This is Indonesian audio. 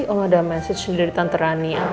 oh ada message dari tante rania